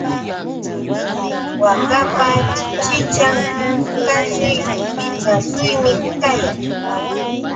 Waakapa chichichan kashuy kashuymi kayan.